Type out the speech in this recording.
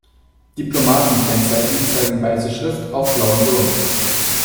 Diplomatenkennzeichen zeigen weiße Schrift auf blauem Grund.